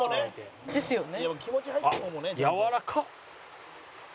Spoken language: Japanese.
「ですよね」